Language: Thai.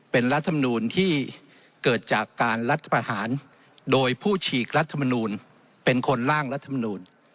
เป็นรัฐมนูลที่เกิดจากการรัฐประหารโดยผู้ฉีกรัฐมนูลเป็นคนล่างรัฐมนูล